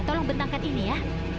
tolong bentangkan ini ya